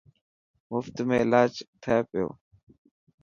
مفت ۾ الاج ٿي پيو.